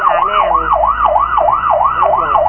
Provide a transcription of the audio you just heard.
กิ๊ดซ้ายไปก่อนนะครับฉุกเฉินเท่ากันแม่นะครับ